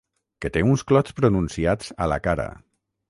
Que té uns clots pronunciats a la cara.